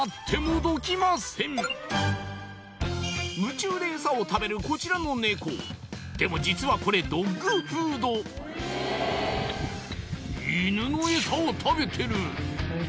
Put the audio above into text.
夢中でエサを食べるこちらのネコでも実はこれドッグフード犬のエサを食べてる！